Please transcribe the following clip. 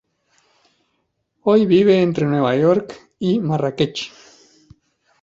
Hoy vive entre Nueva York y Marrakech.